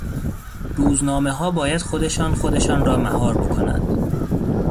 روزنامهها باید خودشان خودشان را مهار بکنند.